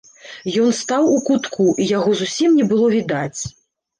Ён стаў у кутку, і яго зусім не было відаць.